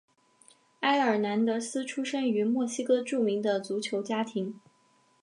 埃尔南德斯出生于墨西哥著名的足球家庭。